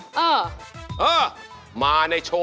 สวัสดีครับ